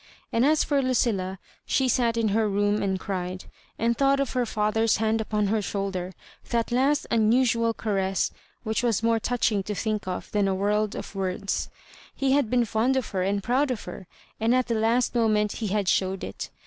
And as for Lucilla, she sat in her room and cried, and thought of her father^s hand upon her shoulder — that last unusual ca ress which was more touching to think of than a world of worda He had been fond of her and proud of her, and at the last moment he had showed it.